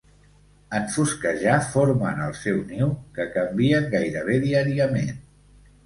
En fosquejar formen el seu niu, que canvien gairebé diàriament.